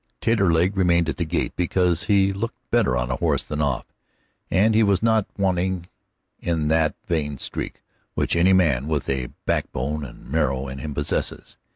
Taterleg remained at the gate, because he looked better on a horse than off, and he was not wanting in that vain streak which any man with a backbone and marrow in him possesses.